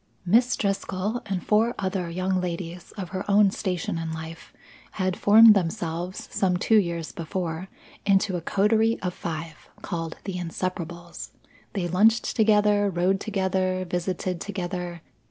Miss Driscoll and four other young ladies of her own station in life had formed themselves, some two years before, into a coterie of five, called The Inseparables. They lunched together, rode together, visited together.